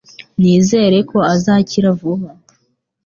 Nizere ko azakira vuba